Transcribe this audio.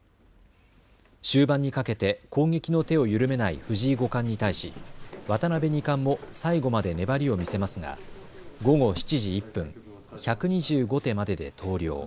終盤にかけて攻撃の手を緩めない藤井五冠に対し渡辺二冠も最後まで粘りを見せますが午後７時１分、１２５手までで投了。